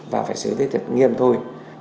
và phải sử dụng thế thật nghiêm thôi